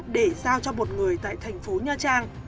để giao cho một người tại tp nha trang